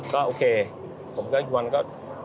ก็โอเคผมก็อีกวันก็